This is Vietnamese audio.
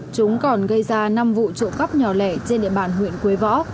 chúng còn gây ra năm vụ trộm cắp nhỏ lẻ trên địa bàn huyện quế võ